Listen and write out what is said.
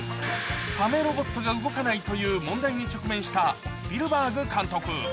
サメロボットが動かないという問題に直面したスピルバーグ監督。